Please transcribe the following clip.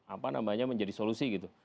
apa namanya menjadi solusi gitu